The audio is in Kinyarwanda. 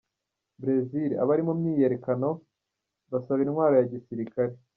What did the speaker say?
Brezil: Abari mu myiyerekano basaba intwaro ya gisirikare.